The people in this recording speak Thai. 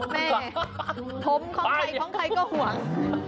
แหม่ถมใครก็หวัง